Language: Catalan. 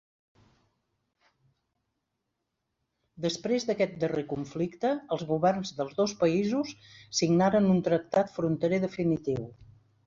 Després d'aquest darrer conflicte els governs dels dos països signaren un tractat fronterer definitiu.